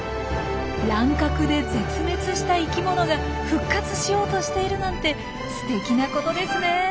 乱獲で絶滅した生きものが復活しようとしているなんてすてきなことですねえ。